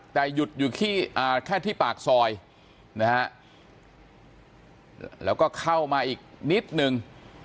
แต่หยุดอยู่ที่แค่ที่ปากซอยนะฮะแล้วก็เข้ามาอีกนิดนึง